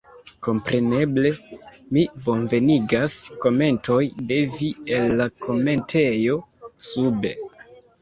Kompreneble, mi bonvenigas komentoj de vi el la komentejo sube